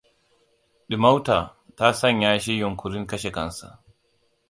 Ɗimauta ta sanya shi yunƙurin kashe kansa.